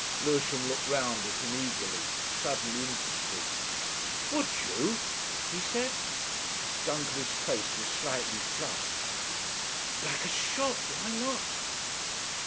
Lewisham looked round at him eagerly, suddenly interested. "Would you?" he said. Dunkerley's face was slightly flushed. "Like a shot. Why not?"